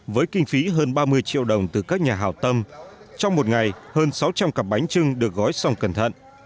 với kinh phí hơn ba mươi triệu đồng từ các nhà hào tâm trong một ngày hơn sáu trăm linh cặp bánh trưng được gói xong cẩn thận